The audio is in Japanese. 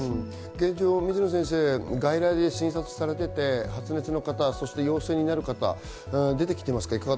現状、外来で診察されていて発熱の方、陽性になる方、出てきていますか？